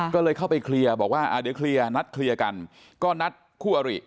ก็เลยเข้าไปเคลียร์บอกว่าเดี๋ยวเคลียร์นัดเคลียร์กันก็นัดคู่อริ